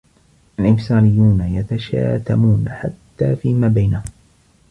الإنفصاليون يتشاتمون حتى فيما بينهم.